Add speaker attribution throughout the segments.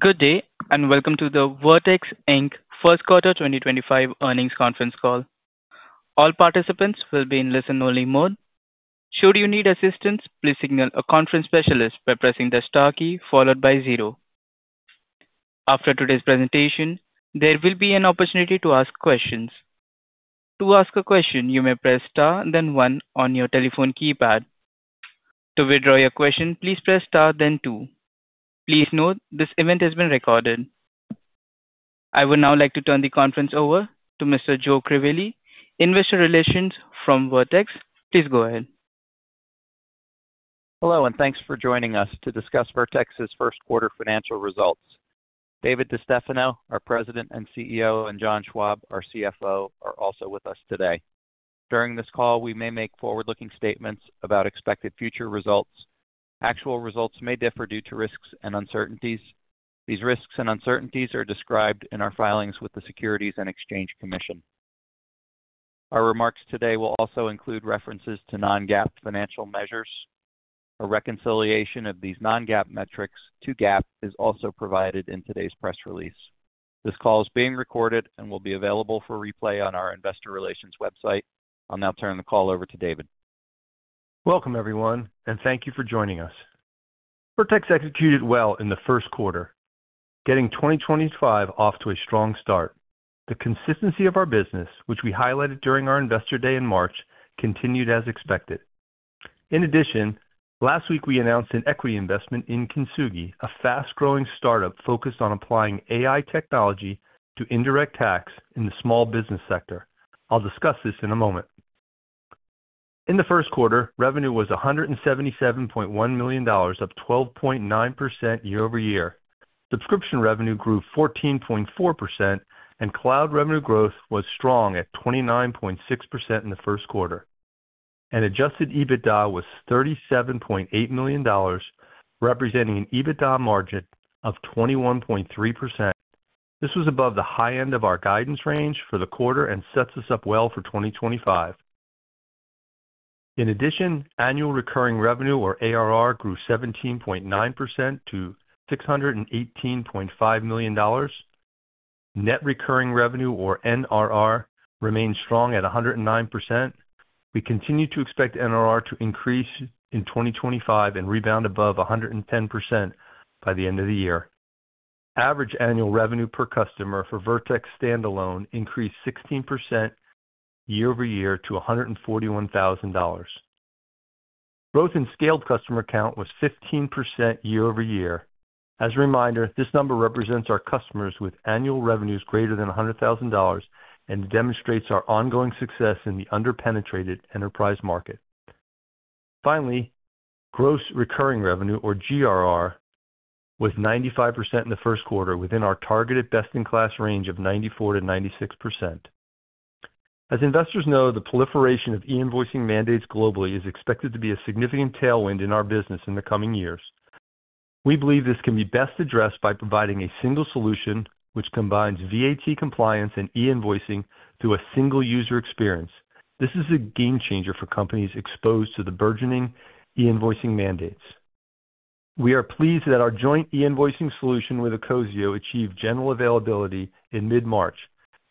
Speaker 1: Good day, and welcome to the Vertex Inc First Quarter 2025 Earnings Conference Call. All participants will be in listen-only mode. Should you need assistance, please signal a conference specialist by pressing the star key followed by zero. After today's presentation, there will be an opportunity to ask questions. To ask a question, you may press star then one on your telephone keypad. To withdraw your question, please press star then two. Please note, this event has been recorded. I would now like to turn the conference over to Mr. Joe Crivelli, Investor Relations from Vertex. Please go ahead.
Speaker 2: Hello, and thanks for joining us to discuss Vertex's First Quarter Financial Results. David DeStefano, our President and CEO, and John Schwab, our CFO, are also with us today. During this call, we may make forward-looking statements about expected future results. Actual results may differ due to risks and uncertainties. These risks and uncertainties are described in our filings with the Securities and Exchange Commission. Our remarks today will also include references to non-GAAP financial measures. A reconciliation of these non-GAAP metrics to GAAP is also provided in today's press release. This call is being recorded and will be available for replay on our Investor Relations website. I'll now turn the call over to David.
Speaker 3: Welcome, everyone, and thank you for joining us. Vertex executed well in the first quarter, getting 2025 off to a strong start. The consistency of our business, which we highlighted during our investor day in March, continued as expected. In addition, last week we announced an equity investment in Kintsugi, a fast-growing startup focused on applying AI technology to indirect tax in the small business sector. I'll discuss this in a moment. In the first quarter, revenue was $177.1 million, up 12.9% year-over-year. Subscription revenue grew 14.4%, and cloud revenue growth was strong at 29.6% in the first quarter. An adjusted EBITDA was $37.8 million, representing an EBITDA margin of 21.3%. This was above the high end of our guidance range for the quarter and sets us up well for 2025. In addition, annual recurring revenue, or ARR, grew 17.9% to $618.5 million. Net recurring revenue, or NRR, remained strong at 109%. We continue to expect NRR to increase in 2025 and rebound above 110% by the end of the year. Average annual revenue per customer for Vertex standalone increased 16% year-over-year to $141,000. Growth in scaled customer count was 15% year-over-year. As a reminder, this number represents our customers with annual revenues greater than $100,000 and demonstrates our ongoing success in the under-penetrated enterprise market. Finally, gross recurring revenue, or GRR, was 95% in the first quarter, within our targeted best-in-class range of 94%-96%. As investors know, the proliferation of e-invoicing mandates globally is expected to be a significant tailwind in our business in the coming years. We believe this can be best addressed by providing a single solution which combines VAT compliance and e-invoicing through a single user experience. This is a game changer for companies exposed to the burgeoning e-invoicing mandates. We are pleased that our joint e-invoicing solution with Acozio achieved general availability in mid-March,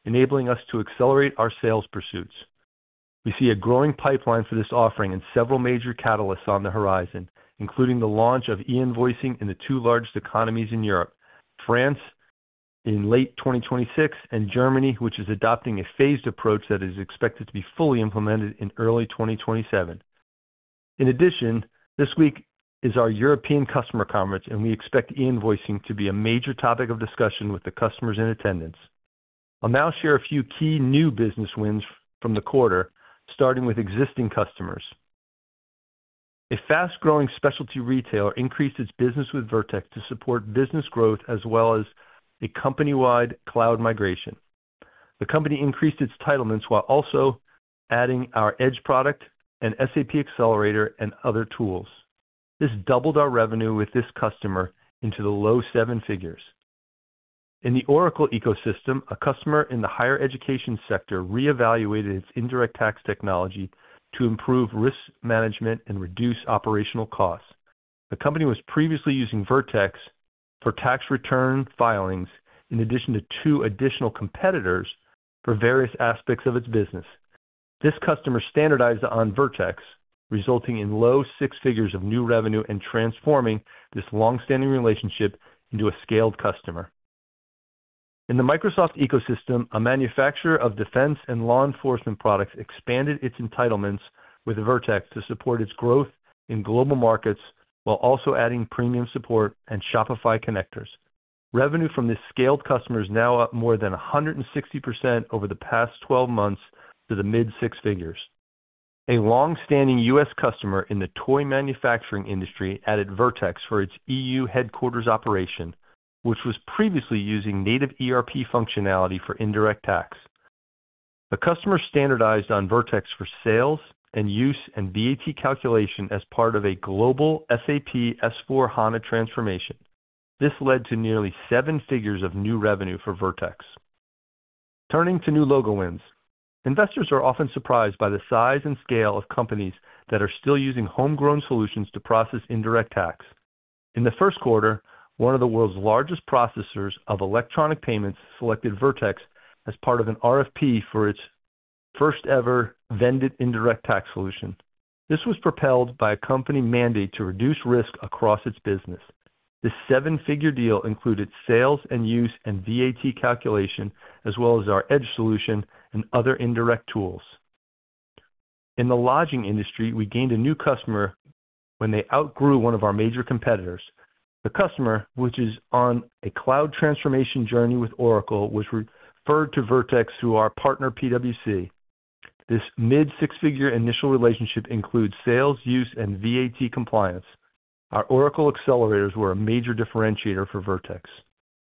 Speaker 3: enabling us to accelerate our sales pursuits. We see a growing pipeline for this offering and several major catalysts on the horizon, including the launch of e-invoicing in the two largest economies in Europe, France, in late 2026, and Germany, which is adopting a phased approach that is expected to be fully implemented in early 2027. In addition, this week is our European customer conference, and we expect e-invoicing to be a major topic of discussion with the customers in attendance. I'll now share a few key new business wins from the quarter, starting with existing customers. A fast-growing specialty retailer increased its business with Vertex to support business growth as well as a company-wide cloud migration. The company increased its entitlements while also adding our Edge Product, an SAP Accelerator, and other tools. This doubled our revenue with this customer into the low seven figures. In the Oracle ecosystem, a customer in the higher education sector reevaluated its indirect tax technology to improve risk management and reduce operational costs. The company was previously using Vertex for tax return filings in addition to two additional competitors for various aspects of its business. This customer standardized on Vertex, resulting in low six figures of new revenue and transforming this long-standing relationship into a scaled customer. In the Microsoft ecosystem, a manufacturer of defense and law enforcement products expanded its entitlements with Vertex to support its growth in global markets while also adding premium support and Shopify Connectors. Revenue from this scaled customer is now up more than 160% over the past 12 months to the mid six figures. A long-standing U.S. customer in the toy manufacturing industry added Vertex for its EU headquarters operation, which was previously using native ERP functionality for indirect tax. The customer standardized on Vertex for sales and use and VAT calculation as part of a global SAP S/4HANA transformation. This led to nearly $1,000,000 of new revenue for Vertex. Turning to new logo wins, investors are often surprised by the size and scale of companies that are still using homegrown solutions to process indirect tax. In the first quarter, one of the world's largest processors of electronic payments selected Vertex as part of an RFP for its first-ever vended indirect tax solution. This was propelled by a company mandate to reduce risk across its business. This $1,000,000 deal included sales and use and VAT calculation, as well as our edge solution and other indirect tools. In the lodging industry, we gained a new customer when they outgrew one of our major competitors. The customer, which is on a cloud transformation journey with Oracle, was referred to Vertex through our partner, PwC. This mid six-figure initial relationship includes sales, use, and VAT compliance. Our Oracle Accelerators were a major differentiator for Vertex.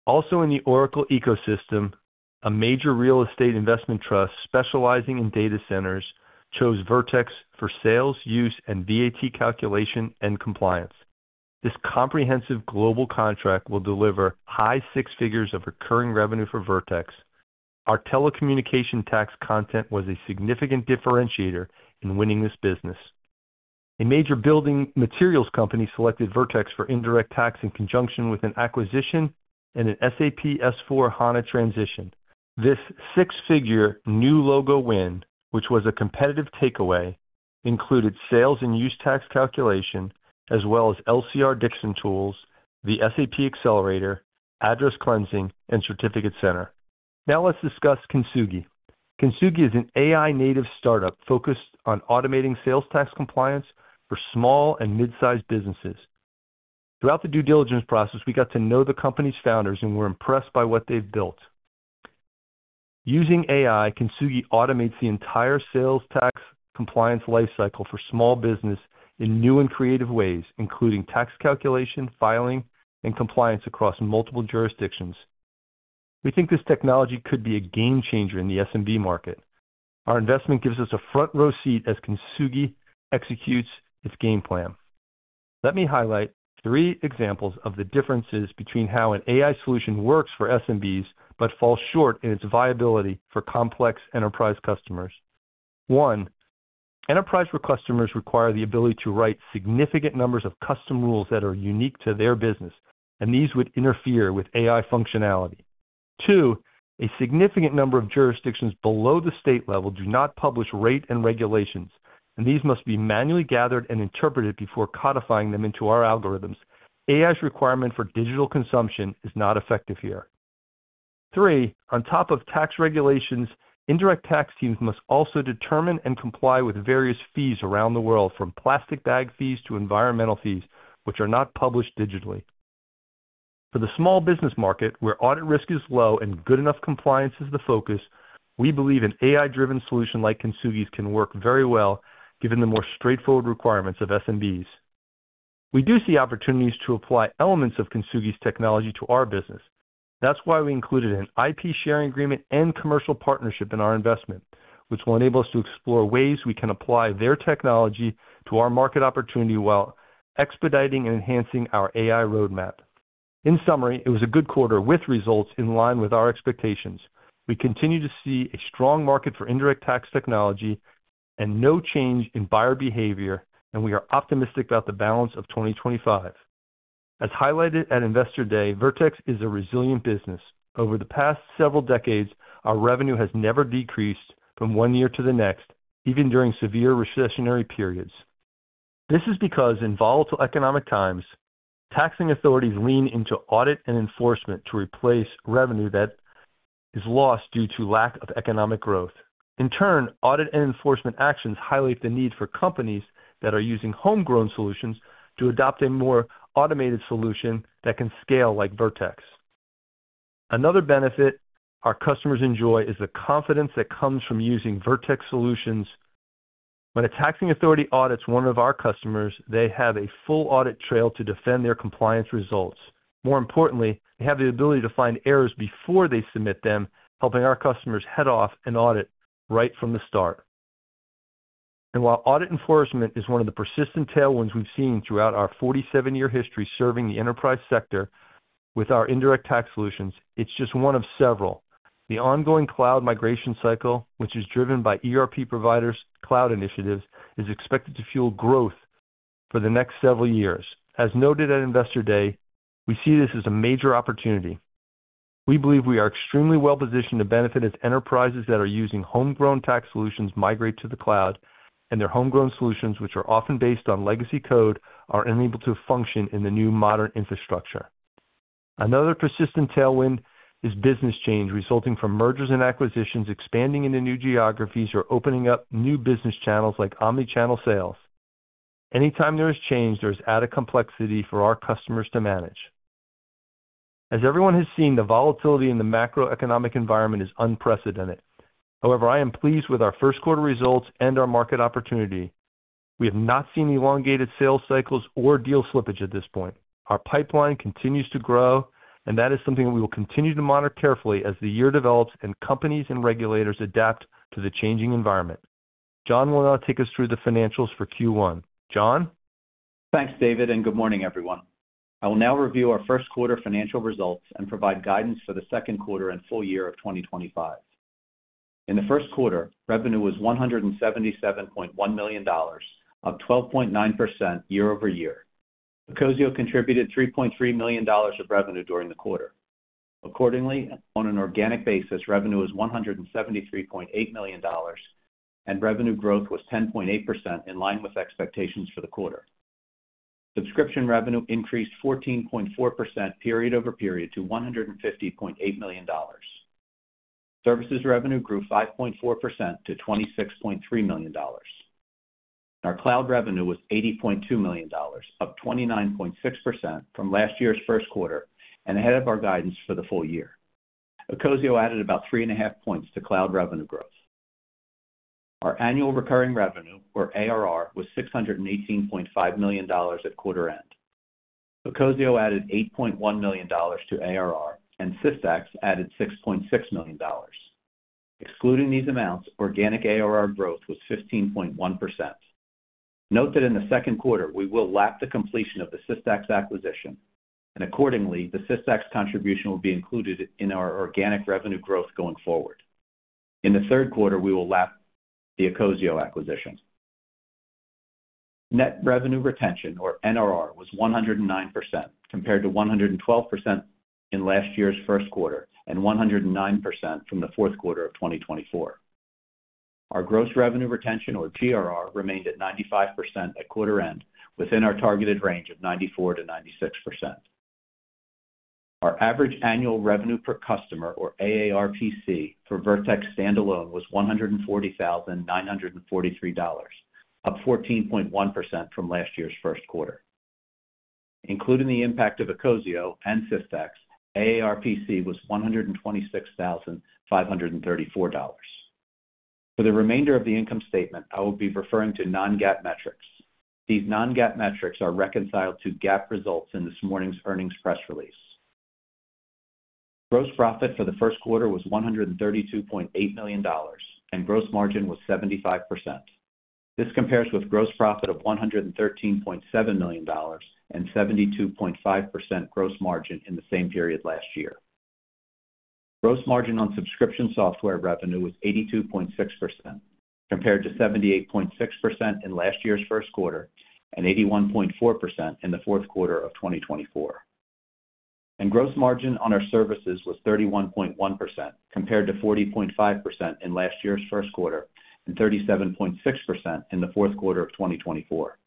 Speaker 3: Also, in the Oracle ecosystem, a major real estate investment trust specializing in data centers chose Vertex for sales, use, and VAT calculation and compliance. This comprehensive global contract will deliver high six figures of recurring revenue for Vertex. Our telecommunication tax content was a significant differentiator in winning this business. A major building materials company selected Vertex for indirect tax in conjunction with an acquisition and an SAP S/4HANA transition. This six-figure new logo win, which was a competitive takeaway, included sales and use tax calculation, as well as LCR Tools, the SAP Accelerator, Address Cleansing, and Certificate Center. Now let's discuss Kintsugi. Kintsugi is an AI-native startup focused on automating sales tax compliance for small and mid-sized businesses. Throughout the due diligence process, we got to know the company's founders and were impressed by what they've built. Using AI, Kintsugi automates the entire sales tax compliance lifecycle for small businesses in new and creative ways, including tax calculation, filing, and compliance across multiple jurisdictions. We think this technology could be a game changer in the SMB market. Our investment gives us a front-row seat as Kintsugi executes its game plan. Let me highlight three examples of the differences between how an AI solution works for SMBs but falls short in its viability for complex enterprise customers. One, enterprise customers require the ability to write significant numbers of custom rules that are unique to their business, and these would interfere with AI functionality. Two, a significant number of jurisdictions below the state level do not publish rate and regulations, and these must be manually gathered and interpreted before codifying them into our algorithms. AI's requirement for digital consumption is not effective here. Three, on top of tax regulations, indirect tax teams must also determine and comply with various fees around the world, from plastic bag fees to environmental fees, which are not published digitally. For the small business market, where audit risk is low and good enough compliance is the focus, we believe an AI-driven solution like Kintsugi's can work very well, given the more straightforward requirements of SMBs. We do see opportunities to apply elements of Kintsugi's technology to our business. That's why we included an IP sharing agreement and commercial partnership in our investment, which will enable us to explore ways we can apply their technology to our market opportunity while expediting and enhancing our AI roadmap. In summary, it was a good quarter with results in line with our expectations. We continue to see a strong market for indirect tax technology and no change in buyer behavior, and we are optimistic about the balance of 2025. As highlighted at Investor Day, Vertex is a resilient business. Over the past several decades, our revenue has never decreased from one year to the next, even during severe recessionary periods. This is because in volatile economic times, taxing authorities lean into audit and enforcement to replace revenue that is lost due to lack of economic growth. In turn, audit and enforcement actions highlight the need for companies that are using homegrown solutions to adopt a more automated solution that can scale like Vertex. Another benefit our customers enjoy is the confidence that comes from using Vertex solutions. When a taxing authority audits one of our customers, they have a full audit trail to defend their compliance results. More importantly, they have the ability to find errors before they submit them, helping our customers head off an audit right from the start. While audit enforcement is one of the persistent tailwinds we've seen throughout our 47-year history serving the enterprise sector with our indirect tax solutions, it's just one of several. The ongoing cloud migration cycle, which is driven by ERP providers' cloud initiatives, is expected to fuel growth for the next several years. As noted at Investor Day, we see this as a major opportunity. We believe we are extremely well-positioned to benefit as enterprises that are using homegrown tax solutions migrate to the cloud, and their homegrown solutions, which are often based on legacy code, are unable to function in the new modern infrastructure. Another persistent tailwind is business change resulting from mergers and acquisitions expanding into new geographies or opening up new business channels like omnichannel sales. Anytime there is change, there is added complexity for our customers to manage. As everyone has seen, the volatility in the macroeconomic environment is unprecedented. However, I am pleased with our first quarter results and our market opportunity. We have not seen elongated sales cycles or deal slippage at this point. Our pipeline continues to grow, and that is something that we will continue to monitor carefully as the year develops and companies and regulators adapt to the changing environment. John will now take us through the financials for Q1. John?
Speaker 4: Thanks, David, and good morning, everyone. I will now review our first quarter financial results and provide guidance for the second quarter and full year of 2025. In the first quarter, revenue was $177.1 million, up 12.9% year-over-year. Acozio contributed $3.3 million of revenue during the quarter. Accordingly, on an organic basis, revenue was $173.8 million, and revenue growth was 10.8% in line with expectations for the quarter. Subscription revenue increased 14.4% period over period to $150.8 million. Services revenue grew 5.4% to $26.3 million. Our cloud revenue was $80.2 million, up 29.6% from last year's first quarter and ahead of our guidance for the full year. Acozio added about three and a half percentage points to cloud revenue growth. Our annual recurring revenue, or ARR, was $618.5 million at quarter end. Acozio added $8.1 million to ARR, and Systax added $6.6 million. Excluding these amounts, organic ARR growth was 15.1%. Note that in the second quarter, we will lap the completion of the Systax acquisition, and accordingly, the Systax contribution will be included in our organic revenue growth going forward. In the third quarter, we will lap the Acozio acquisition. Net revenue retention, or NRR, was 109% compared to 112% in last year's first quarter and 109% from the fourth quarter of 2024. Our gross revenue retention, or GRR, remained at 95% at quarter end, within our targeted range of 94-96%. Our average annual revenue per customer, or AARPC, for Vertex standalone was $140,943, up 14.1% from last year's first quarter. Including the impact of Acozio and Systax, AARPC was $126,534. For the remainder of the income statement, I will be referring to non-GAAP metrics. These non-GAAP metrics are reconciled to GAAP results in this morning's earnings press release. Gross profit for the first quarter was $132.8 million, and gross margin was 75%. This compares with gross profit of $113.7 million and 72.5% gross margin in the same period last year. Gross margin on subscription software revenue was 82.6%, compared to 78.6% in last year's first quarter and 81.4% in the fourth quarter of 2024. Gross margin on our services was 31.1%, compared to 40.5% in last year's first quarter and 37.6% in the fourth quarter of 2024.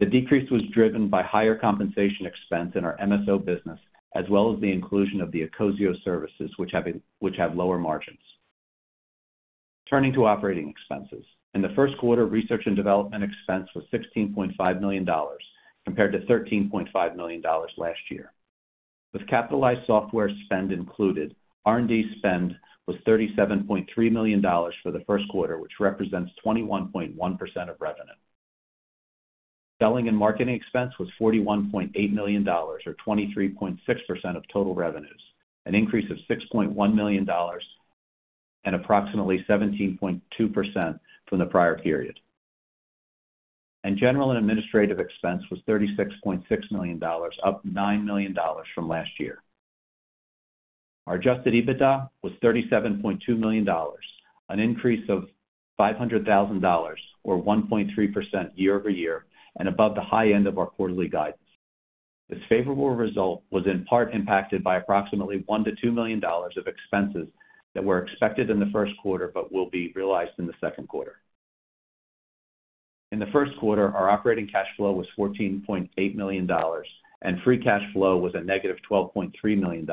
Speaker 4: The decrease was driven by higher compensation expense in our MSO business, as well as the inclusion of the Acozio services, which have lower margins. Turning to operating expenses, in the first quarter, research and development expense was $16.5 million, compared to $13.5 million last year. With capitalized software spend included, R&D spend was $37.3 million for the first quarter, which represents 21.1% of revenue. Selling and marketing expense was $41.8 million, or 23.6% of total revenues, an increase of $6.1 million and approximately 17.2% from the prior period. General and administrative expense was $36.6 million, up $9 million from last year. Our adjusted EBITDA was $37.2 million, an increase of $500,000, or 1.3% year-over-year, and above the high end of our quarterly guidance. This favorable result was in part impacted by approximately $1-$2 million of expenses that were expected in the first quarter but will be realized in the second quarter. In the first quarter, our operating cash flow was $14.8 million, and free cash flow was a negative $12.3 million,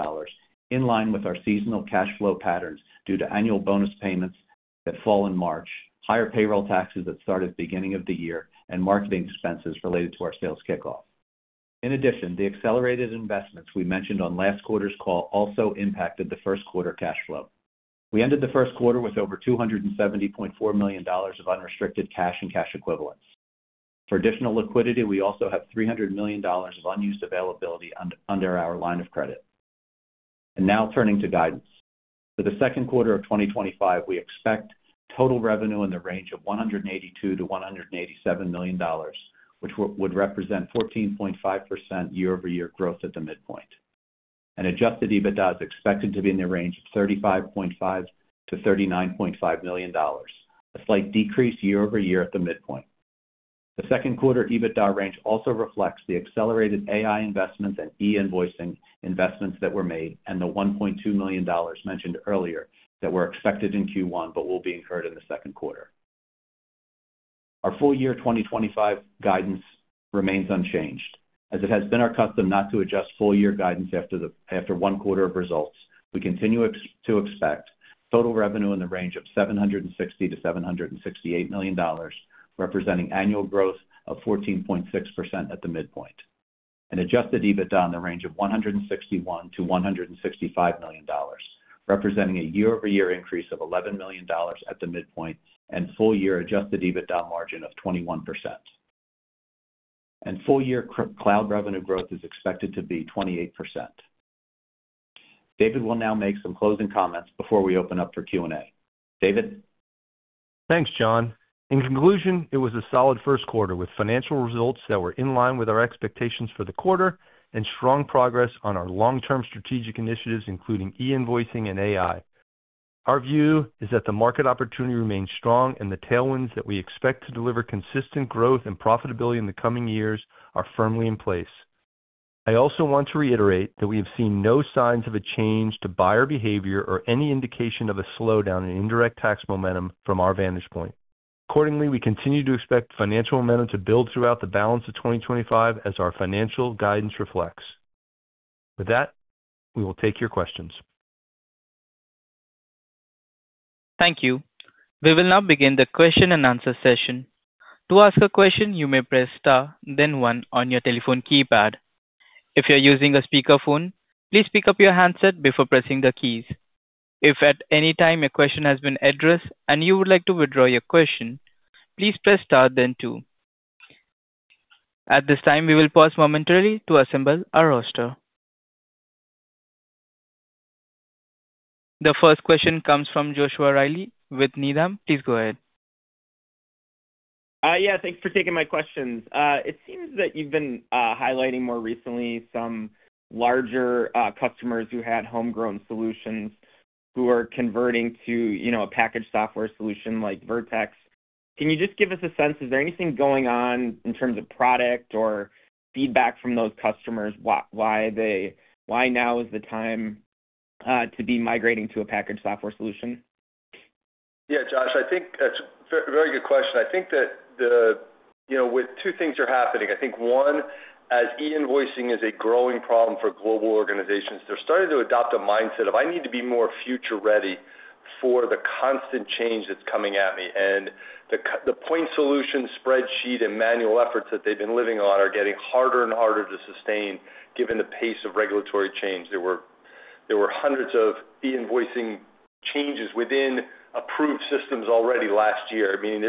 Speaker 4: in line with our seasonal cash flow patterns due to annual bonus payments that fall in March, higher payroll taxes that start at the beginning of the year, and marketing expenses related to our sales kickoff. In addition, the accelerated investments we mentioned on last quarter's call also impacted the first quarter cash flow. We ended the first quarter with over $270.4 million of unrestricted cash and cash equivalents. For additional liquidity, we also have $300 million of unused availability under our line of credit. Now turning to guidance. For the second quarter of 2025, we expect total revenue in the range of $182-$187 million, which would represent 14.5% year-over-year growth at the midpoint. Adjusted EBITDA is expected to be in the range of $35.5-$39.5 million, a slight decrease year-over-year at the midpoint. The second quarter EBITDA range also reflects the accelerated AI investments and e-invoicing investments that were made and the $1.2 million mentioned earlier that were expected in Q1 but will be incurred in the second quarter. Our full year 2025 guidance remains unchanged. As it has been our custom not to adjust full year guidance after one quarter of results, we continue to expect total revenue in the range of $760-$768 million, representing annual growth of 14.6% at the midpoint. Adjusted EBITDA is expected in the range of $161-$165 million, representing a year-over-year increase of $11 million at the midpoint and full year adjusted EBITDA margin of 21%. Full year cloud revenue growth is expected to be 28%. David will now make some closing comments before we open up for Q&A. David?
Speaker 3: Thanks, John. In conclusion, it was a solid first quarter with financial results that were in line with our expectations for the quarter and strong progress on our long-term strategic initiatives, including e-invoicing and AI. Our view is that the market opportunity remains strong and the tailwinds that we expect to deliver consistent growth and profitability in the coming years are firmly in place. I also want to reiterate that we have seen no signs of a change to buyer behavior or any indication of a slowdown in indirect tax momentum from our vantage point. Accordingly, we continue to expect financial momentum to build throughout the balance of 2025 as our financial guidance reflects. With that, we will take your questions.
Speaker 1: Thank you. We will now begin the question and answer session. To ask a question, you may press Star, then 1 on your telephone keypad. If you're using a speakerphone, please pick up your handset before pressing the keys. If at any time a question has been addressed and you would like to withdraw your question, please press Star, then 2. At this time, we will pause momentarily to assemble our roster. The first question comes from Joshua Riley with Needham. Please go ahead.
Speaker 5: Yeah, thanks for taking my questions. It seems that you've been highlighting more recently some larger customers who had homegrown solutions who are converting to a package software solution like Vertex. Can you just give us a sense? Is there anything going on in terms of product or feedback from those customers? Why now is the time to be migrating to a package software solution?
Speaker 3: Yeah, Josh, I think that's a very good question. I think that with two things are happening. I think one, as e-invoicing is a growing problem for global organizations, they're starting to adopt a mindset of, "I need to be more future-ready for the constant change that's coming at me." The point solution spreadsheet and manual efforts that they've been living on are getting harder and harder to sustain given the pace of regulatory change. There were hundreds of e-invoicing changes within approved systems already last year. I mean,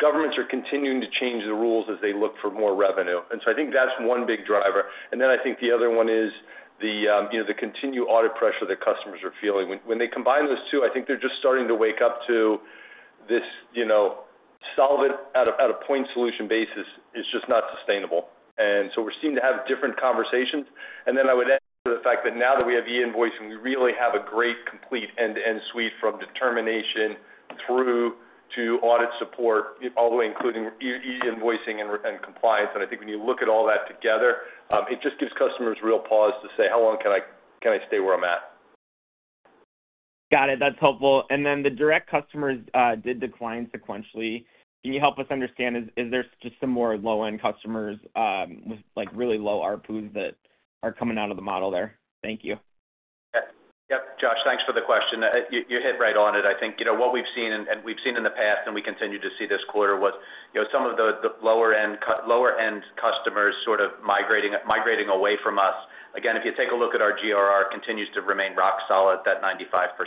Speaker 3: governments are continuing to change the rules as they look for more revenue. I think that's one big driver. I think the other one is the continued audit pressure that customers are feeling. When they combine those two, I think they're just starting to wake up to this solvent at a point solution basis is just not sustainable. We're seeing to have different conversations. I would add to the fact that now that we have e-invoicing, we really have a great complete end-to-end suite from determination through to audit support, all the way including e-invoicing and compliance. I think when you look at all that together, it just gives customers real pause to say, "How long can I stay where I'm at?"
Speaker 5: Got it. That's helpful. The direct customers did decline sequentially. Can you help us understand? Is there just some more low-end customers with really low RPUs that are coming out of the model there? Thank you.
Speaker 3: Yep. Yep, Josh, thanks for the question. You hit right on it. I think what we've seen, and we've seen in the past, and we continue to see this quarter was some of the lower-end customers sort of migrating away from us. Again, if you take a look at our GRR, it continues to remain rock solid at that 95%.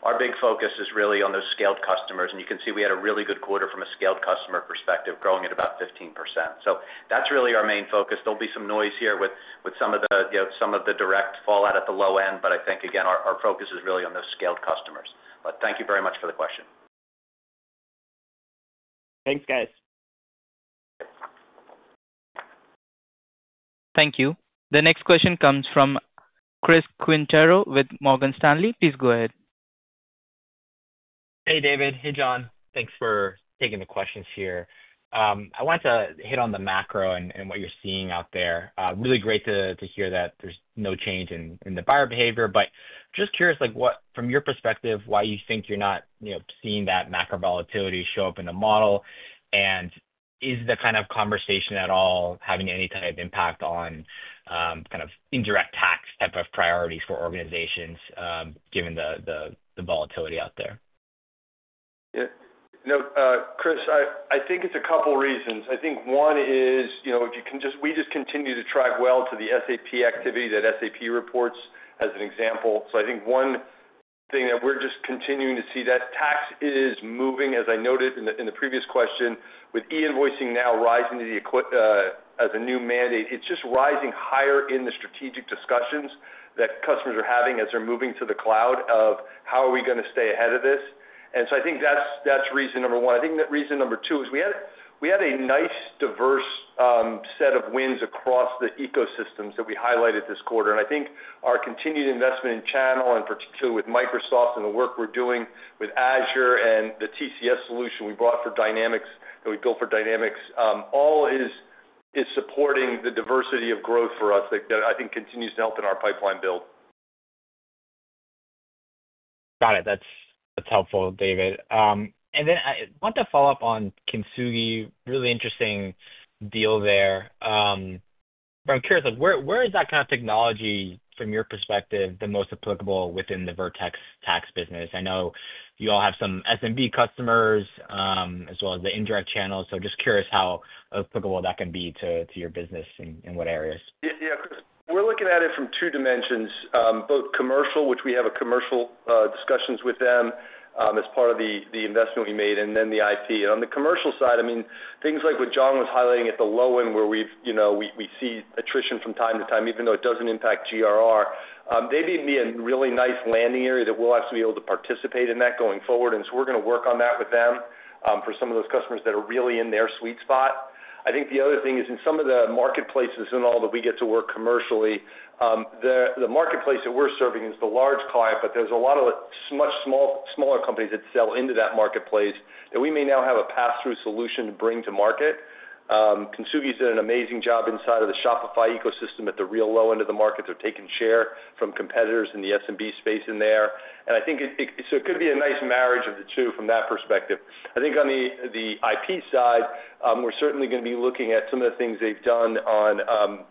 Speaker 3: Our big focus is really on those scaled customers. You can see we had a really good quarter from a scaled customer perspective, growing at about 15%. That is really our main focus. There will be some noise here with some of the direct fallout at the low end, but I think, again, our focus is really on those scaled customers. Thank you very much for the question.
Speaker 5: Thanks, guys.
Speaker 1: Thank you. The next question comes from Chris Quintero with Morgan Stanley. Please go ahead.
Speaker 6: Hey, David. Hey, John. Thanks for taking the questions here. I wanted to hit on the macro and what you are seeing out there. Really great to hear that there's no change in the buyer behavior, but just curious, from your perspective, why you think you're not seeing that macro volatility show up in the model? Is the kind of conversation at all having any type of impact on kind of indirect tax type of priorities for organizations given the volatility out there?
Speaker 3: No, Chris, I think it's a couple of reasons. I think one is we just continue to track well to the SAP activity, that SAP reports as an example. I think one thing that we're just continuing to see is that tax is moving, as I noted in the previous question, with e-invoicing now rising as a new mandate. It's just rising higher in the strategic discussions that customers are having as they're moving to the cloud of, "How are we going to stay ahead of this?" I think that's reason number one. I think reason number two is we had a nice diverse set of wins across the ecosystems that we highlighted this quarter. I think our continued investment in channel, and particularly with Microsoft and the work we're doing with Azure and the TCS solution we brought for Dynamics that we built for Dynamics, all is supporting the diversity of growth for us that I think continues to help in our pipeline build.
Speaker 6: Got it. That's helpful, David. I want to follow up on Kintsugi, really interesting deal there. I'm curious, where is that kind of technology, from your perspective, the most applicable within the Vertex tax business? I know you all have some SMB customers as well as the indirect channels, so just curious how applicable that can be to your business in what areas?
Speaker 3: Yeah, Chris, we're looking at it from two dimensions, both commercial, which we have commercial discussions with them as part of the investment we made, and then the IP. On the commercial side, I mean, things like what John was highlighting at the low end where we see attrition from time to time, even though it doesn't impact GRR, they may be a really nice landing area that we'll actually be able to participate in that going forward. We are going to work on that with them for some of those customers that are really in their sweet spot. I think the other thing is in some of the marketplaces and all that we get to work commercially, the marketplace that we're serving is the large client, but there's a lot of much smaller companies that sell into that marketplace that we may now have a pass-through solution to bring to market. Kintsugi's done an amazing job inside of the Shopify ecosystem at the real low end of the market. They're taking share from competitors in the SMB space in there. I think it could be a nice marriage of the two from that perspective. I think on the IP side, we're certainly going to be looking at some of the things they've done on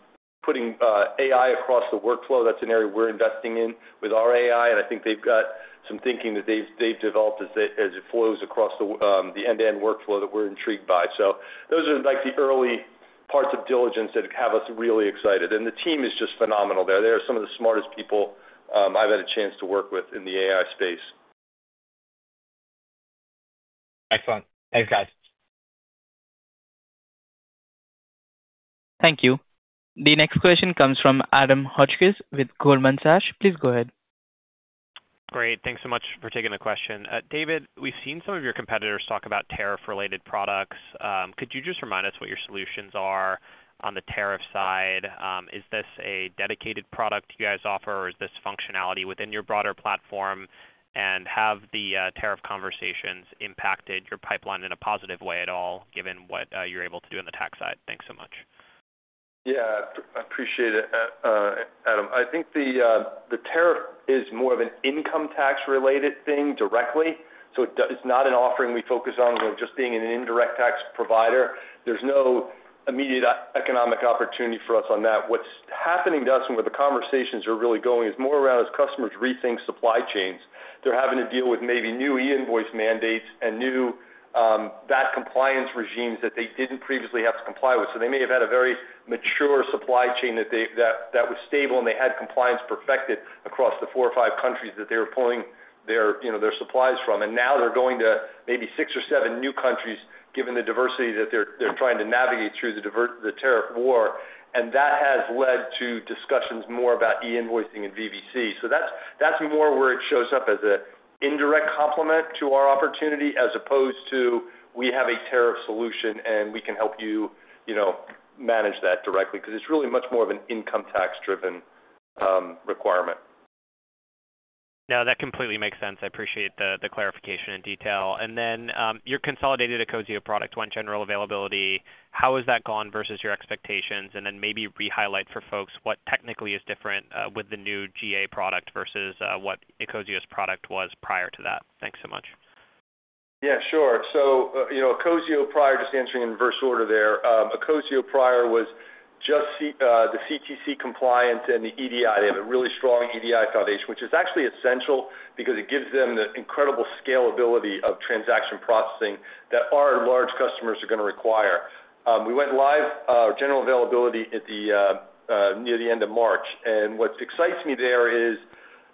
Speaker 3: putting AI across the workflow. That's an area we're investing in with our AI. I think they've got some thinking that they've developed as it flows across the end-to-end workflow that we're intrigued by. Those are the early parts of diligence that have us really excited. The team is just phenomenal there. They are some of the smartest people I've had a chance to work with in the AI space.
Speaker 5: Excellent. Thanks, guys.
Speaker 1: Thank you. The next question comes from Adam Hotchkiss with Goldman Sachs. Please go ahead.
Speaker 7: Great. Thanks so much for taking the question. David, we've seen some of your competitors talk about tariff-related products. Could you just remind us what your solutions are on the tariff side? Is this a dedicated product you guys offer, or is this functionality within your broader platform? Have the tariff conversations impacted your pipeline in a positive way at all, given what you're able to do on the tax side? Thanks so much.
Speaker 3: Yeah, I appreciate it, Adam. I think the tariff is more of an income tax-related thing directly. It is not an offering we focus on just being an indirect tax provider. There is no immediate economic opportunity for us on that. What is happening to us and where the conversations are really going is more around as customers rethink supply chains. They are having to deal with maybe new e-invoicing mandates and new VAT compliance regimes that they did not previously have to comply with. They may have had a very mature supply chain that was stable, and they had compliance perfected across the four or five countries that they were pulling their supplies from. Now they are going to maybe six or seven new countries, given the diversity that they are trying to navigate through the tariff war. That has led to discussions more about e-invoicing and VAT. That's more where it shows up as an indirect complement to our opportunity as opposed to, "We have a tariff solution, and we can help you manage that directly," because it's really much more of an income tax-driven requirement.
Speaker 7: That completely makes sense. I appreciate the clarification and detail. You're consolidating the Acozio product, one general availability. How has that gone versus your expectations? Maybe re-highlight for folks what technically is different with the new GA product versus what Acozio's product was prior to that. Thanks so much.
Speaker 3: Yeah, sure. Acozio prior, just answering in reverse order there, Acozio prior was just the CTC compliance and the EDI. They have a really strong EDI foundation, which is actually essential because it gives them the incredible scalability of transaction processing that our large customers are going to require. We went live general availability near the end of March. What excites me there is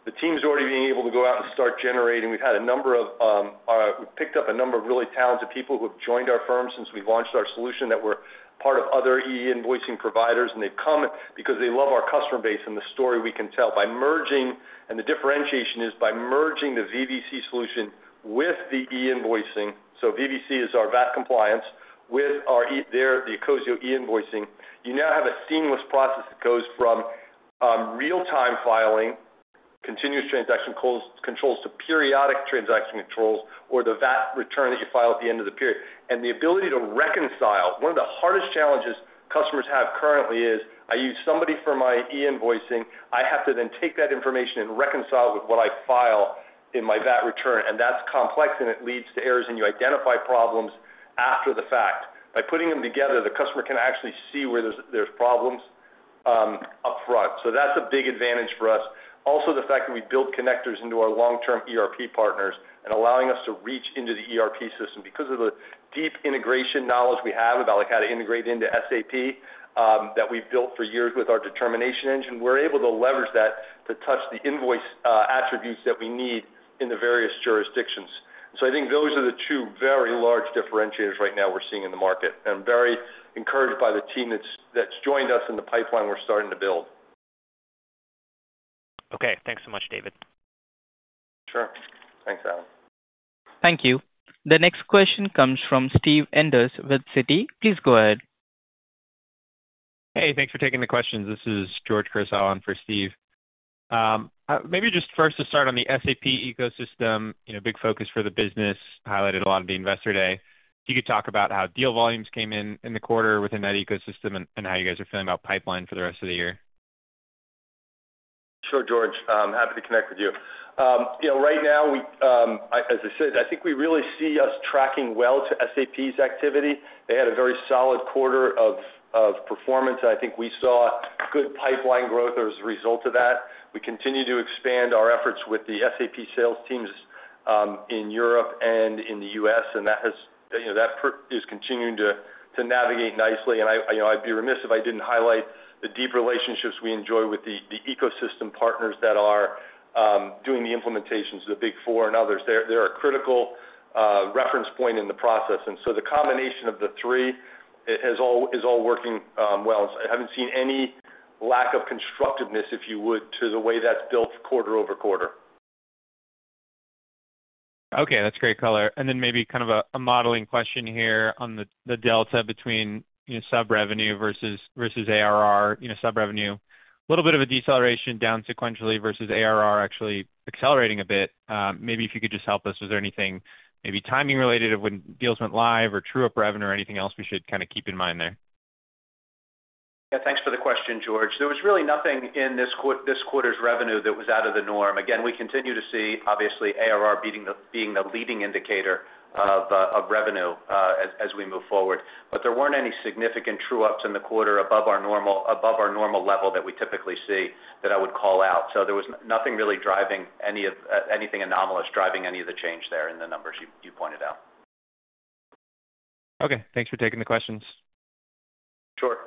Speaker 3: the team's already being able to go out and start generating. We've picked up a number of really talented people who have joined our firm since we launched our solution that were part of other e-invoicing providers. They've come because they love our customer base and the story we can tell. By merging, and the differentiation is by merging the VVC solution with the e-invoicing—so VVC is our VAT compliance with the Acozio e-invoicing—you now have a seamless process that goes from real-time filing, continuous transaction controls, to periodic transaction controls, or the VAT return that you file at the end of the period. The ability to reconcile—one of the hardest challenges customers have currently is, "I use somebody for my e-invoicing. I have to then take that information and reconcile it with what I file in my VAT return. That is complex, and it leads to errors, and you identify problems after the fact. By putting them together, the customer can actually see where there are problems upfront. That is a big advantage for us. Also, the fact that we build connectors into our long-term ERP partners and allowing us to reach into the ERP system because of the deep integration knowledge we have about how to integrate into SAP that we have built for years with our determination engine, we are able to leverage that to touch the invoice attributes that we need in the various jurisdictions. I think those are the two very large differentiators right now we are seeing in the market. I am very encouraged by the team that has joined us and the pipeline we are starting to build. Okay.
Speaker 7: Thanks so much, David.
Speaker 3: Sure. Thanks, Adam.
Speaker 1: Thank you. The next question comes from Steve Enders with Citi. Please go ahead.
Speaker 8: Hey, thanks for taking the questions. This is Christopher Allen for Steve. Maybe just first to start on the SAP ecosystem, big focus for the business, highlighted a lot of the investor day. If you could talk about how deal volumes came in the quarter within that ecosystem and how you guys are feeling about pipeline for the rest of the year.
Speaker 3: Sure, George. Happy to connect with you. Right now, as I said, I think we really see us tracking well to SAP's activity. They had a very solid quarter of performance. I think we saw good pipeline growth as a result of that. We continue to expand our efforts with the SAP sales teams in Europe and in the U.S., and that is continuing to navigate nicely. I'd be remiss if I didn't highlight the deep relationships we enjoy with the ecosystem partners that are doing the implementations, the Big Four and others. They're a critical reference point in the process. The combination of the three is all working well. I haven't seen any lack of constructiveness, if you would, to the way that's built quarter over quarter.
Speaker 8: Okay. That's great color. Maybe kind of a modeling question here on the delta between sub-revenue versus ARR sub-revenue. A little bit of a deceleration down sequentially versus ARR actually accelerating a bit. Maybe if you could just help us, was there anything maybe timing related of when deals went live or true-up revenue or anything else we should kind of keep in mind there?
Speaker 4: Yeah. Thanks for the question, George. There was really nothing in this quarter's revenue that was out of the norm. Again, we continue to see, obviously, ARR being the leading indicator of revenue as we move forward. There weren't any significant true-ups in the quarter above our normal level that we typically see that I would call out. There was nothing really driving anything anomalous driving any of the change there in the numbers you pointed out.
Speaker 8: Okay. Thanks for taking the questions.
Speaker 3: Sure.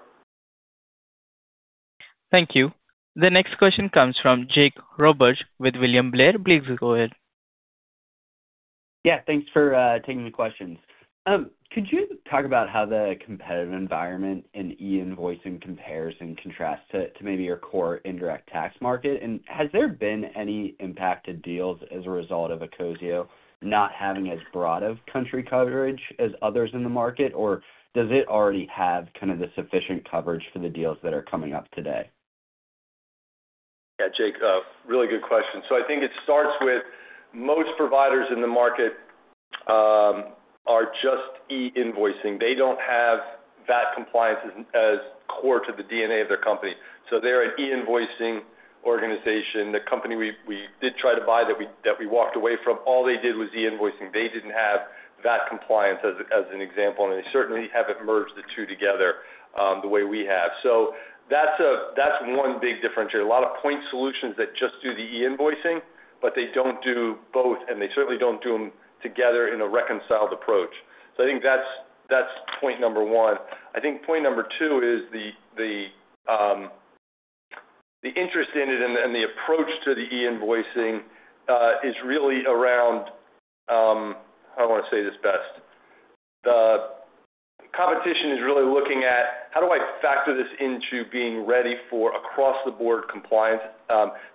Speaker 1: Thank you. The next question comes from Jake Roberge with William Blair. Please go ahead.
Speaker 9: Yeah. Thanks for taking the questions. Could you talk about how the competitive environment in e-invoicing compares and contrasts to maybe your core indirect tax market? Has there been any impact to deals as a result of Acozio not having as broad of country coverage as others in the market, or does it already have kind of the sufficient coverage for the deals that are coming up today?
Speaker 3: Yeah, Jake, really good question. I think it starts with most providers in the market are just e-invoicing. They don't have VAT compliance as core to the DNA of their company. They're an e-invoicing organization. The company we did try to buy that we walked away from, all they did was e-invoicing. They didn't have VAT compliance as an example, and they certainly haven't merged the two together the way we have. That's one big differentiator. A lot of point solutions that just do the e-invoicing, but they do not do both, and they certainly do not do them together in a reconciled approach. I think that is point number one. I think point number two is the interest in it and the approach to the e-invoicing is really around—how do I want to say this best? The competition is really looking at, "How do I factor this into being ready for across-the-board compliance?"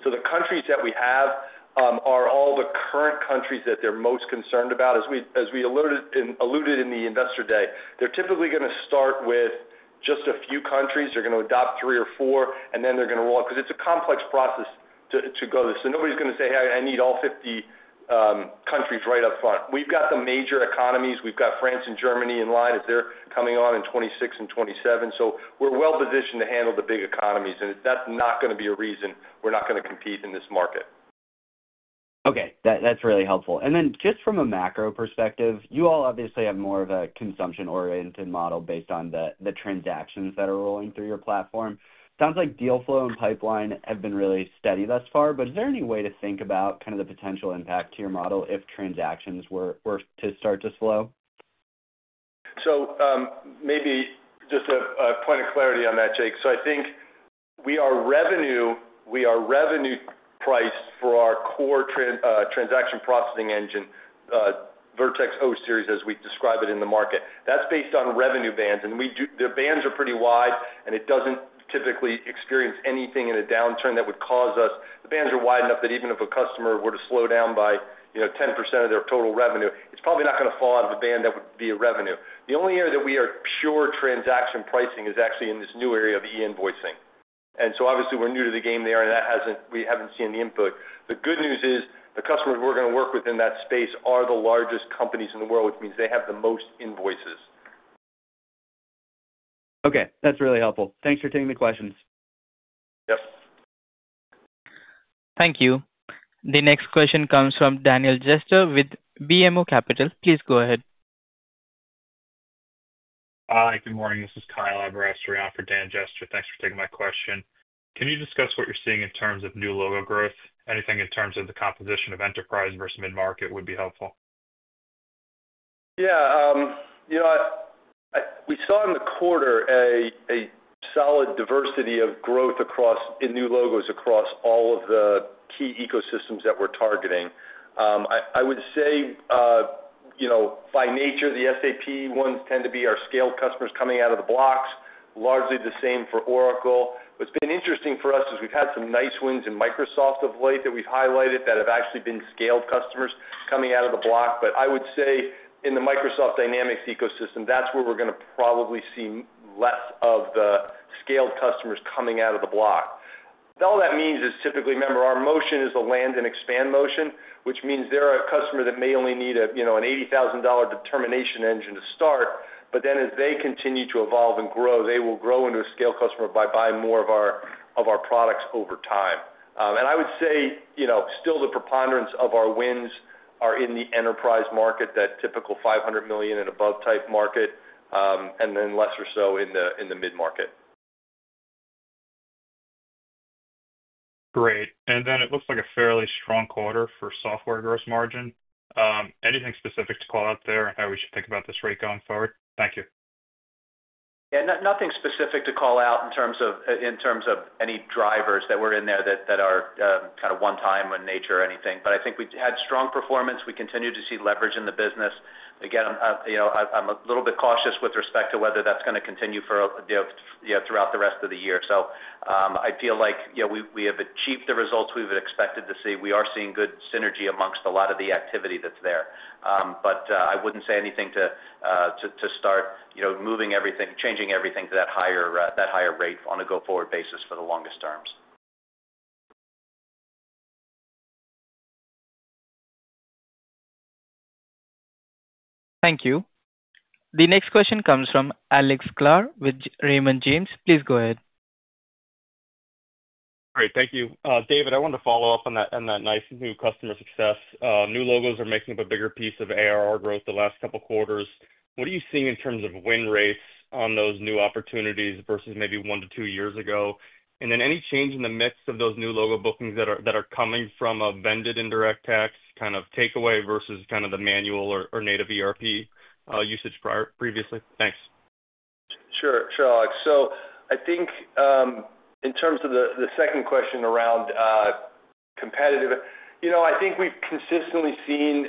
Speaker 3: The countries that we have are all the current countries that they are most concerned about. As we alluded in the investor day, they are typically going to start with just a few countries. They are going to adopt three or four, and then they are going to roll out because it is a complex process to go to this. Nobody's going to say, "Hey, I need all 50 countries right up front." We've got the major economies. We've got France and Germany in line as they're coming on in 2026 and 2027. We're well-positioned to handle the big economies, and that's not going to be a reason we're not going to compete in this market.
Speaker 9: Okay. That's really helpful. Just from a macro perspective, you all obviously have more of a consumption-oriented model based on the transactions that are rolling through your platform. Sounds like deal flow and pipeline have been really steady thus far, but is there any way to think about kind of the potential impact to your model if transactions were to start to slow?
Speaker 4: Maybe just a point of clarity on that, Jake. I think we are revenue-priced for our core transaction processing engine, Vertex O-Series, as we describe it in the market. That's based on revenue bands, and the bands are pretty wide, and it doesn't typically experience anything in a downturn that would cause us. The bands are wide enough that even if a customer were to slow down by 10% of their total revenue, it's probably not going to fall out of a band that would be a revenue. The only area that we are pure transaction pricing is actually in this new area of e-invoicing. Obviously, we're new to the game there, and we haven't seen the input. The good news is the customers we're going to work with in that space are the largest companies in the world, which means they have the most invoices.
Speaker 9: Okay. That's really helpful. Thanks for taking the questions.
Speaker 3: Yep.
Speaker 1: Thank you. The next question comes from Daniel Jester with BMO Capital. Please go ahead.
Speaker 10: Hi. Good morning. This is Kyle Aberasturi for Dan Jester. Thanks for taking my question. Can you discuss what you're seeing in terms of new logo growth? Anything in terms of the composition of enterprise versus mid-market would be helpful.
Speaker 3: Yeah. We saw in the quarter a solid diversity of growth in new logos across all of the key ecosystems that we're targeting. I would say by nature, the SAP ones tend to be our scaled customers coming out of the blocks. Largely the same for Oracle. What's been interesting for us is we've had some nice wins in Microsoft of late that we've highlighted that have actually been scaled customers coming out of the block. I would say in the Microsoft Dynamics ecosystem, that's where we're going to probably see less of the scaled customers coming out of the block. All that means is typically, remember, our motion is a land and expand motion, which means they're a customer that may only need an $80,000 determination engine to start, but then as they continue to evolve and grow, they will grow into a scaled customer by buying more of our products over time. I would say still the preponderance of our wins are in the enterprise market, that typical $500 million and above type market, and then lesser so in the mid-market.
Speaker 10: Great. It looks like a fairly strong quarter for software gross margin. Anything specific to call out there and how we should think about this rate going forward? Thank you. Yeah.
Speaker 3: Nothing specific to call out in terms of any drivers that were in there that are kind of one-time in nature or anything. I think we had strong performance. We continue to see leverage in the business. Again, I'm a little bit cautious with respect to whether that's going to continue throughout the rest of the year. I feel like we have achieved the results we've expected to see. We are seeing good synergy amongst a lot of the activity that's there. I wouldn't say anything to start moving everything, changing everything to that higher rate on a go-forward basis for the longest terms.
Speaker 1: Thank you. The next question comes from Andrew Clark with Raymond James. Please go ahead.
Speaker 11: Great. Thank you. David, I wanted to follow up on that nice new customer success. New logos are making up a bigger piece of ARR growth the last couple of quarters. What are you seeing in terms of win rates on those new opportunities versus maybe one to two years ago? Any change in the mix of those new logo bookings that are coming from a vended indirect tax kind of takeaway versus kind of the manual or native ERP usage previously? Thanks.
Speaker 3: Sure. I think in terms of the second question around competitive, I think we've consistently seen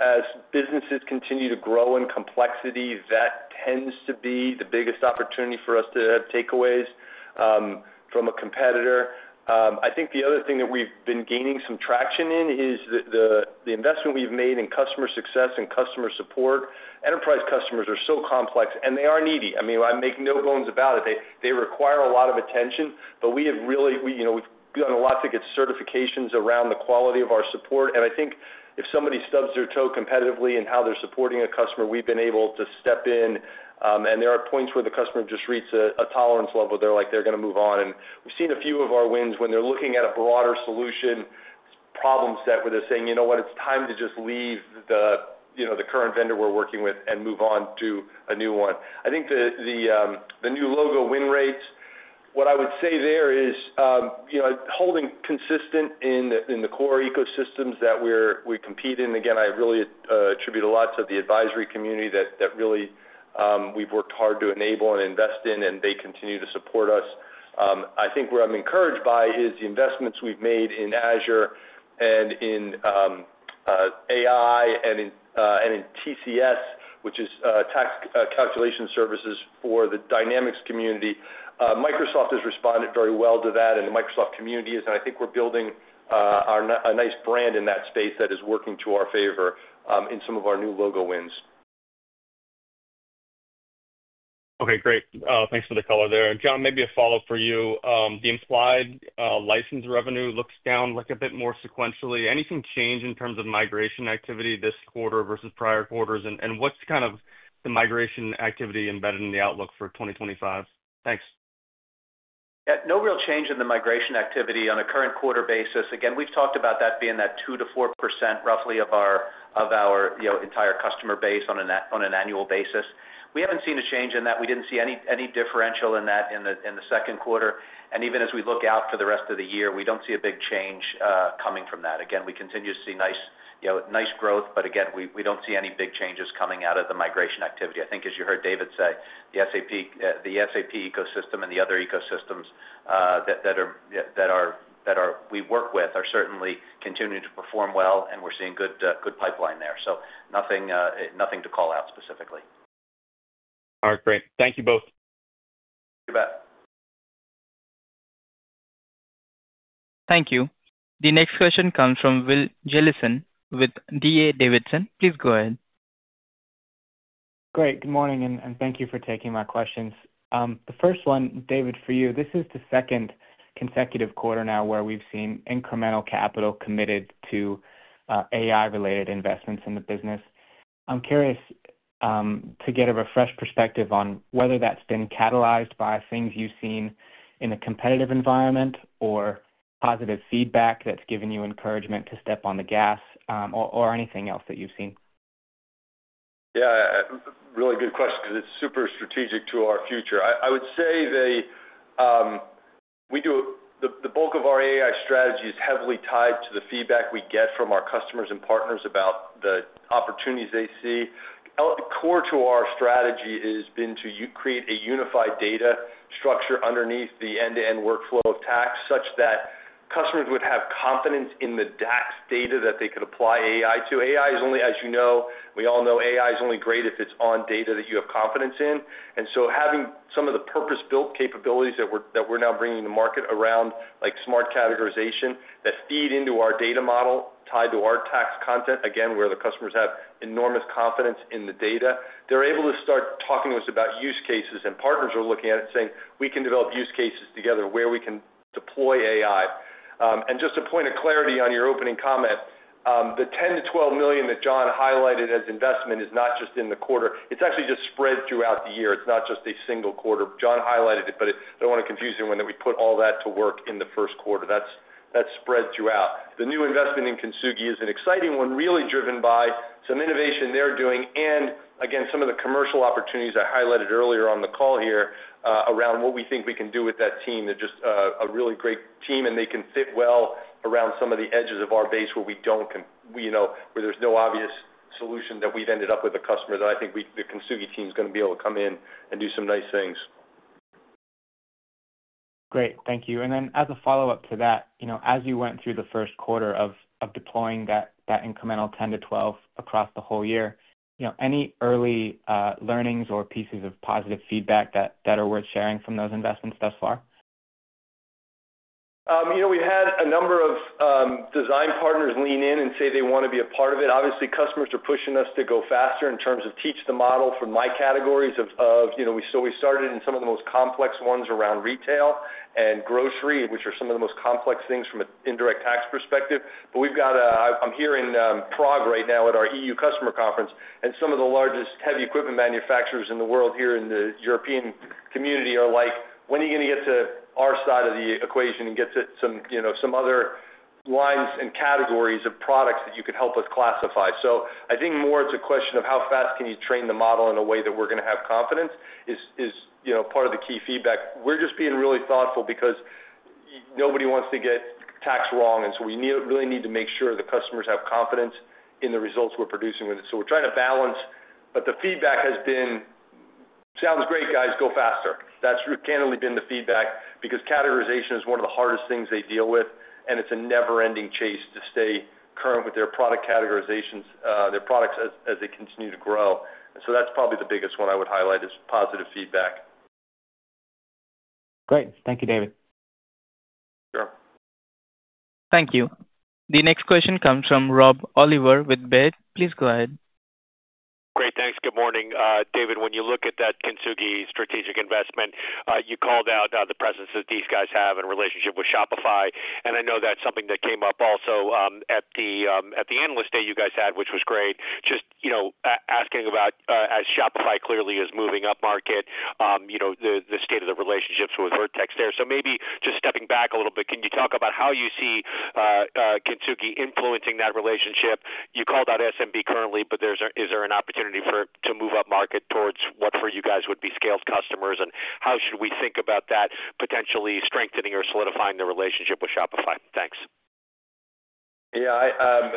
Speaker 3: as businesses continue to grow in complexity, that tends to be the biggest opportunity for us to have takeaways from a competitor. The other thing that we've been gaining some traction in is the investment we've made in customer success and customer support. Enterprise customers are so complex, and they are needy. I mean, I make no bones about it. They require a lot of attention, but we have really—we've done a lot to get certifications around the quality of our support. I think if somebody stubs their toe competitively in how they're supporting a customer, we've been able to step in. There are points where the customer just reaches a tolerance level where they're like, "They're going to move on." We've seen a few of our wins when they're looking at a broader solution problem set where they're saying, "You know what? It's time to just leave the current vendor we're working with and move on to a new one." I think the new logo win rates, what I would say there is holding consistent in the core ecosystems that we compete in. Again, I really attribute a lot to the advisory community that really we've worked hard to enable and invest in, and they continue to support us. I think what I'm encouraged by is the investments we've made in Azure and in AI and in TCS, which is tax calculation services for the Dynamics community. Microsoft has responded very well to that, and the Microsoft community is. I think we're building a nice brand in that space that is working to our favor in some of our new logo wins.
Speaker 11: Okay. Great. Thanks for the color there. John, maybe a follow-up for you. The implied license revenue looks down a bit more sequentially. Anything change in terms of migration activity this quarter versus prior quarters? What's kind of the migration activity embedded in the outlook for 2025? Thanks. Yeah.
Speaker 4: No real change in the migration activity on a current quarter basis. Again, we've talked about that being that 2-4% roughly of our entire customer base on an annual basis. We haven't seen a change in that. We didn't see any differential in that in the second quarter. Even as we look out for the rest of the year, we don't see a big change coming from that. Again, we continue to see nice growth, but again, we don't see any big changes coming out of the migration activity. I think, as you heard David say, the SAP ecosystem and the other ecosystems that we work with are certainly continuing to perform well, and we're seeing good pipeline there. Nothing to call out specifically. All right.
Speaker 11: Great. Thank you both. Goodbye.
Speaker 1: Thank you. The next question comes from Will Jellison with DA Davidson.
Speaker 12: Please go ahead. Great. Good morning, and thank you for taking my questions. The first one, David, for you. This is the second consecutive quarter now where we've seen incremental capital committed to AI-related investments in the business. I'm curious to get a refreshed perspective on whether that's been catalyzed by things you've seen in a competitive environment or positive feedback that's given you encouragement to step on the gas or anything else that you've seen.
Speaker 3: Yeah. Really good question because it's super strategic to our future. I would say the bulk of our AI strategy is heavily tied to the feedback we get from our customers and partners about the opportunities they see. Core to our strategy has been to create a unified data structure underneath the end-to-end workflow of tax such that customers would have confidence in the data that they could apply AI to. AI is only, as you know, we all know AI is only great if it's on data that you have confidence in. Having some of the purpose-built capabilities that we're now bringing to market around smart categorization that feed into our data model tied to our tax content, again, where the customers have enormous confidence in the data, they're able to start talking to us about use cases. Partners are looking at it saying, "We can develop use cases together where we can deploy AI." Just to point of clarity on your opening comment, the $10 million-$12 million that John highlighted as investment is not just in the quarter. It's actually just spread throughout the year. It's not just a single quarter. John highlighted it, but I don't want to confuse anyone that we put all that to work in the first quarter. That's spread throughout. The new investment in Kintsugi is an exciting one, really driven by some innovation they're doing and, again, some of the commercial opportunities I highlighted earlier on the call here around what we think we can do with that team. They're just a really great team, and they can fit well around some of the edges of our base where we don't—where there's no obvious solution that we've ended up with a customer that I think the Kintsugi team is going to be able to come in and do some nice things.
Speaker 12: Great. Thank you. And then as a follow-up to that, as you went through the first quarter of deploying that incremental 10-12 across the whole year, any early learnings or pieces of positive feedback that are worth sharing from those investments thus far?
Speaker 3: We've had a number of design partners lean in and say they want to be a part of it. Obviously, customers are pushing us to go faster in terms of teach the model for my categories of—so we started in some of the most complex ones around retail and grocery, which are some of the most complex things from an indirect tax perspective. We've got a—I'm here in Prague right now at our EU Customer Conference, and some of the largest heavy equipment manufacturers in the world here in the European community are like, "When are you going to get to our side of the equation and get to some other lines and categories of products that you could help us classify?" I think more it's a question of how fast can you train the model in a way that we're going to have confidence is part of the key feedback. We're just being really thoughtful because nobody wants to get taxed wrong, and we really need to make sure the customers have confidence in the results we're producing with it. We're trying to balance, but the feedback has been, "Sounds great, guys. Go faster." That's candidly been the feedback because categorization is one of the hardest things they deal with, and it's a never-ending chase to stay current with their product categorizations, their products as they continue to grow. That's probably the biggest one I would highlight is positive feedback.
Speaker 12: Great. Thank you, David. Sure.
Speaker 1: Thank you. The next question comes from Rob Oliver with BofA. Please go ahead.
Speaker 13: Great. Thanks. Good morning. David, when you look at that Kintsugi strategic investment, you called out the presence that these guys have in relationship with Shopify. I know that's something that came up also at the analyst day you guys had, which was great. Just asking about, as Shopify clearly is moving up market, the state of the relationships with Vertex there. Maybe just stepping back a little bit, can you talk about how you see Kintsugi influencing that relationship? You called out SMB currently, but is there an opportunity to move up market towards what for you guys would be scaled customers, and how should we think about that potentially strengthening or solidifying the relationship with Shopify? Thanks.
Speaker 3: Yeah.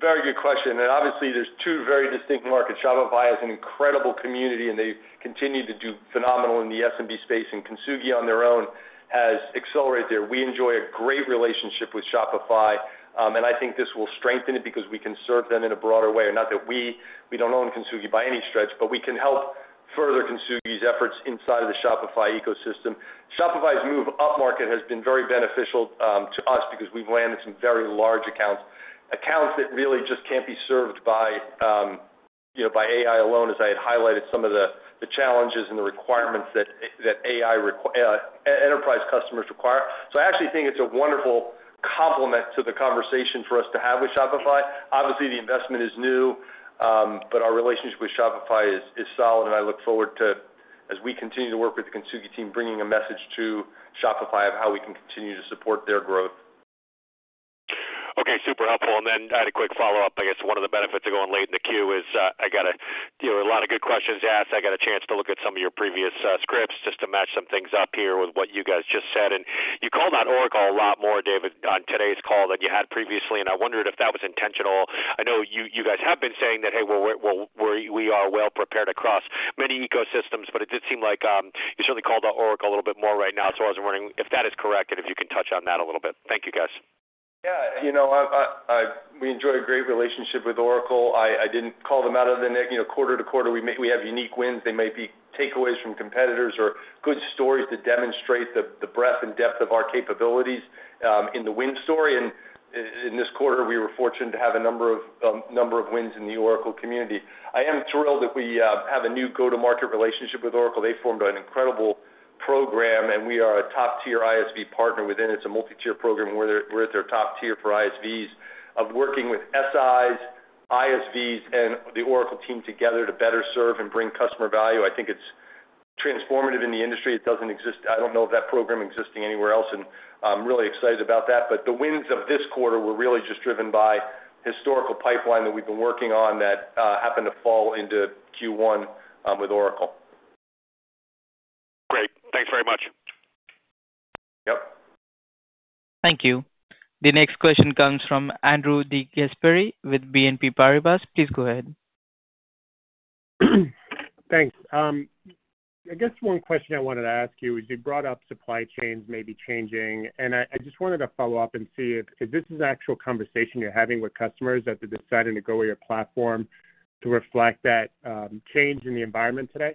Speaker 3: Very good question. Obviously, there are two very distinct markets. Shopify has an incredible community, and they continue to do phenomenal in the SMB space, and Kintsugi on their own has accelerated there. We enjoy a great relationship with Shopify, and I think this will strengthen it because we can serve them in a broader way. Not that we own Kintsugi by any stretch, but we can help further Kintsugi's efforts inside of the Shopify ecosystem. Shopify's move up market has been very beneficial to us because we've landed some very large accounts, accounts that really just can't be served by AI alone, as I had highlighted some of the challenges and the requirements that enterprise customers require. I actually think it's a wonderful complement to the conversation for us to have with Shopify. Obviously, the investment is new, but our relationship with Shopify is solid, and I look forward to, as we continue to work with the Kintsugi team, bringing a message to Shopify of how we can continue to support their growth.
Speaker 13: Okay. Super helpful. I had a quick follow-up. I guess one of the benefits of going late in the queue is I got a lot of good questions asked. I got a chance to look at some of your previous scripts just to match some things up here with what you guys just said. You called out Oracle a lot more, David, on today's call than you had previously, and I wondered if that was intentional. I know you guys have been saying that, "Hey, we are well prepared across many ecosystems," but it did seem like you certainly called out Oracle a little bit more right now as far as running. If that is correct, and if you can touch on that a little bit. Thank you, guys.
Speaker 3: Yeah. We enjoy a great relationship with Oracle. I did not call them out of the nick. Quarter to quarter, we have unique wins. They may be takeaways from competitors or good stories to demonstrate the breadth and depth of our capabilities in the win story. In this quarter, we were fortunate to have a number of wins in the Oracle community. I am thrilled that we have a new go-to-market relationship with Oracle. They formed an incredible program, and we are a top-tier ISV partner within. It's a multi-tier program where they're top-tier for ISVs of working with SIs, ISVs, and the Oracle team together to better serve and bring customer value. I think it's transformative in the industry. I don't know of that program existing anywhere else, and I'm really excited about that. The wins of this quarter were really just driven by a historical pipeline that we've been working on that happened to fall into Q1 with Oracle.
Speaker 13: Great. Thanks very much. Yep.
Speaker 1: Thank you. The next question comes from Andrew DeGasperi with BNP Paribas. Please go ahead. Thanks.
Speaker 14: I guess one question I wanted to ask you is you brought up supply chains maybe changing, and I just wanted to follow up and see if this is an actual conversation you're having with customers as they're deciding to go with your platform to reflect that change in the environment today.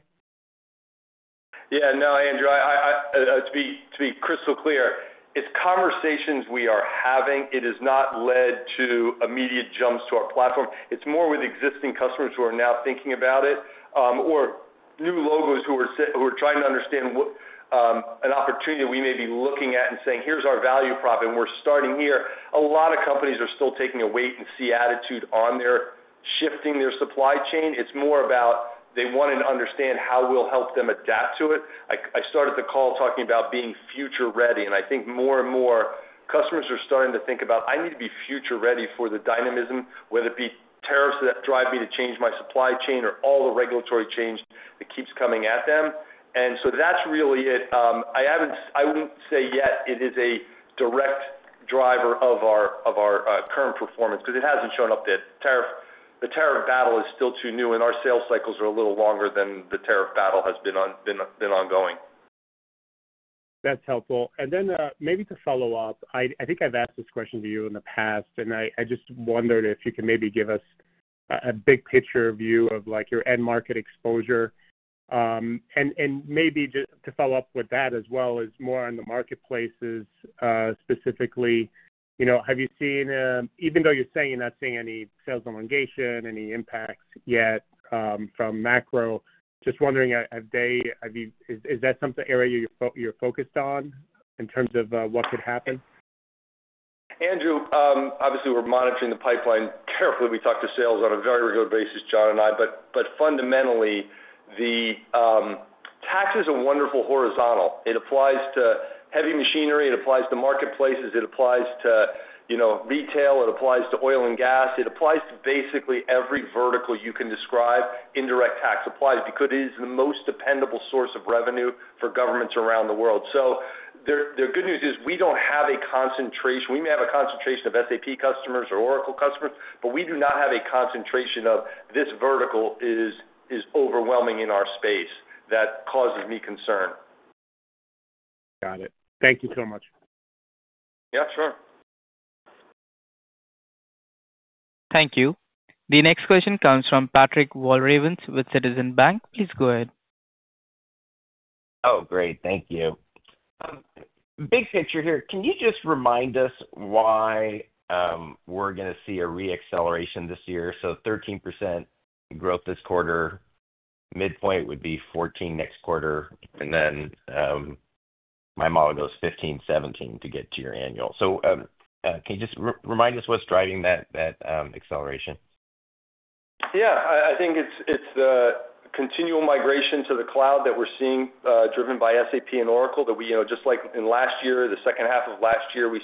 Speaker 3: Yeah. No, Andrew. To be crystal clear, it's conversations we are having. It has not led to immediate jumps to our platform. It's more with existing customers who are now thinking about it or new logos who are trying to understand an opportunity we may be looking at and saying, "Here's our value prop, and we're starting here." A lot of companies are still taking a wait-and-see attitude on their shifting their supply chain. It's more about they want to understand how we'll help them adapt to it. I started the call talking about being future-ready, and I think more and more customers are starting to think about, "I need to be future-ready for the dynamism, whether it be tariffs that drive me to change my supply chain or all the regulatory change that keeps coming at them." That is really it. I would not say yet it is a direct driver of our current performance because it has not shown up yet. The tariff battle is still too new, and our sales cycles are a little longer than the tariff battle has been ongoing.
Speaker 14: That is helpful. Maybe to follow up, I think I have asked this question to you in the past, and I just wondered if you could maybe give us a big picture view of your end market exposure. Maybe to follow up with that as well is more on the marketplaces specifically. Have you seen, even though you're saying you're not seeing any sales elongation, any impacts yet from macro? Just wondering, is that something area you're focused on in terms of what could happen?
Speaker 3: Andrew, obviously, we're monitoring the pipeline carefully. We talk to sales on a very regular basis, John and I, but fundamentally, tax is a wonderful horizontal. It applies to heavy machinery. It applies to marketplaces. It applies to retail. It applies to oil and gas. It applies to basically every vertical you can describe. Indirect tax applies because it is the most dependable source of revenue for governments around the world. The good news is we don't have a concentration. We may have a concentration of SAP customers or Oracle customers, but we do not have a concentration of this vertical is overwhelming in our space that causes me concern.
Speaker 14: Got it. Thank you so much.
Speaker 3: Yeah. Sure.
Speaker 1: Thank you. The next question comes from Patrick Walravens with Citizens Bank. Please go ahead.
Speaker 15: Oh, great. Thank you. Big picture here. Can you just remind us why we're going to see a re-acceleration this year? So 13% growth this quarter. Midpoint would be 14% next quarter. And then my model goes 15%, 17% to get to your annual. Can you just remind us what's driving that acceleration?
Speaker 3: Yeah. I think it's the continual migration to the cloud that we're seeing driven by SAP and Oracle that we, just like in last year, the second half of last year, we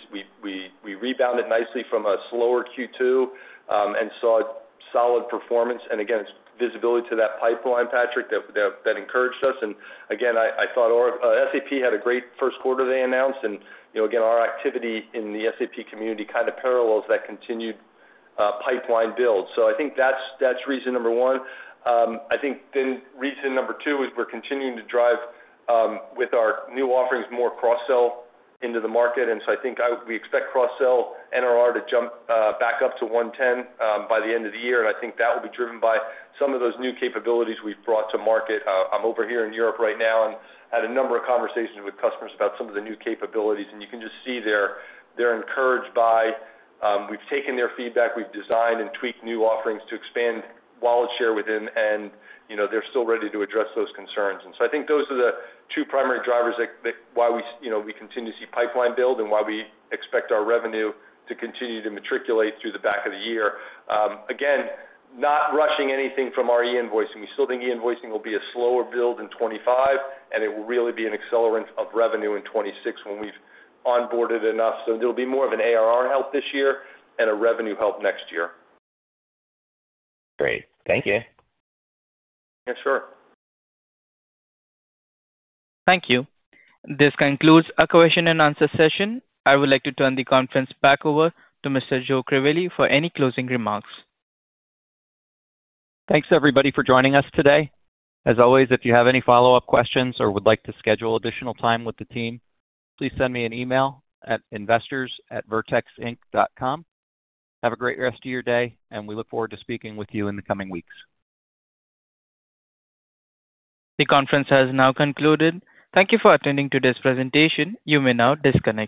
Speaker 3: rebounded nicely from a slower Q2 and saw solid performance. Again, it's visibility to that pipeline, Patrick, that encouraged us. Again, I thought SAP had a great first quarter they announced. Our activity in the SAP community kind of parallels that continued pipeline build. I think that's reason number one. I think then reason number two is we're continuing to drive with our new offerings more cross-sell into the market. I think we expect cross-sell NRR to jump back up to 110% by the end of the year. I think that will be driven by some of those new capabilities we've brought to market. I'm over here in Europe right now and had a number of conversations with customers about some of the new capabilities. You can just see they're encouraged by we've taken their feedback. We've designed and tweaked new offerings to expand wallet share within, and they're still ready to address those concerns. I think those are the two primary drivers why we continue to see pipeline build and why we expect our revenue to continue to matriculate through the back of the year. Again, not rushing anything from our e-invoicing. We still think e-invoicing will be a slower build in 2025, and it will really be an accelerant of revenue in 2026 when we've onboarded enough. There will be more of an ARR help this year and a revenue help next year.
Speaker 15: Great. Thank you.
Speaker 3: Yeah. Sure.
Speaker 1: Thank you. This concludes our question and answer session. I would like to turn the conference back over to Mr. Joe Crivelli for any closing remarks.
Speaker 2: Thanks, everybody, for joining us today. As always, if you have any follow-up questions or would like to schedule additional time with the team, please send me an email at investors@vertexinc.com. Have a great rest of your day, and we look forward to speaking with you in the coming weeks.
Speaker 1: The conference has now concluded. Thank you for attending today's presentation. You may now disconnect.